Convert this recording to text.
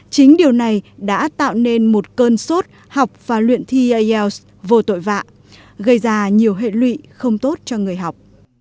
chính điều này đã tạo nên một cơn sốt học và luyện thi ielts vô tội vạ gây ra nhiều hệ lụy không tốt cho người học